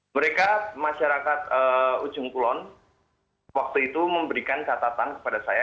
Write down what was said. mereka masyarakat ujung kulon waktu itu memberikan catatan kepada saya